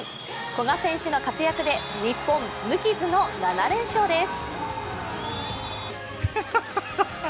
古賀選手の活躍で日本、無傷の７連勝です。